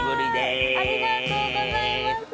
ありがとうございます！